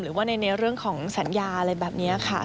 หรือว่าในเรื่องของสัญญาอะไรแบบนี้ค่ะ